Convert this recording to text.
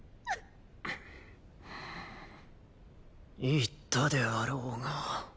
言ったであろうが。